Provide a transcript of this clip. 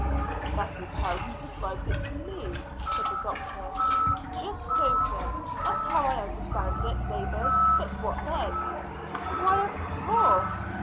"That is how he described it to me," said the doctor. "Just so, sir. That's how I understand it, neighbours; but what then?" "Why, of course!"